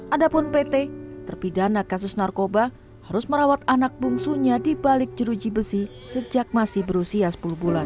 adapun pt terpidana kasus narkoba harus merawat anak bungsunya di balik jeruji besi sejak masih berusia sepuluh bulan